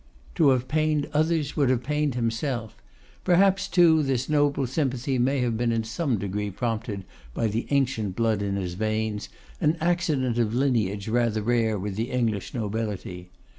To have pained others would have pained himself. Perhaps, too, this noble sympathy may have been in some degree prompted by the ancient blood in his veins, an accident of lineage rather rare with the English nobility.